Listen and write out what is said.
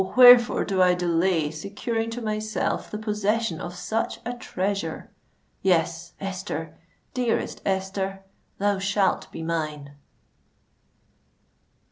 wherefore do I delay securing to myself the possession of such a treasure? Yes, Esther—dearest Esther—thou shalt be mine!"